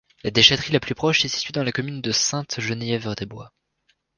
La déchèterie la plus proche est située sur la commune de Sainte-Geneviève-des-Bois.